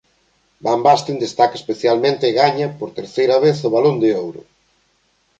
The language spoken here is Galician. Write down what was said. Van Basten destaca especialmente e gaña por terceira vez o Balón de Ouro.